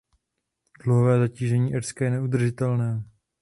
Dluhové zatížení Irska je neudržitelné.